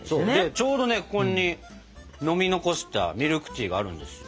ちょうどここに飲み残したミルクティーがあるんですよ。